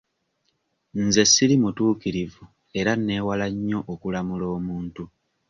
Nze siri mutuukirivu era neewala nnyo okulamula omuntu.